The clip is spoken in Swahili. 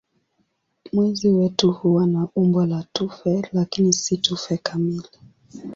Mwezi wetu huwa na umbo la tufe lakini si tufe kamili.